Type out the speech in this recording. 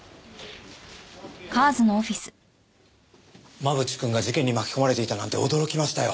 真渕くんが事件に巻き込まれていたなんて驚きましたよ。